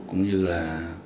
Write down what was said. cũng như là